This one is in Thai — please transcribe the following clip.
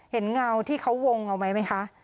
เห็นเงาที่เขาวงเอาไหมไหมคะ